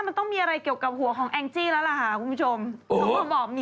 มันต้องมีอะไรเกี่ยวกับหัวของแองจี้แล้วล่ะค่ะคุณผู้ชม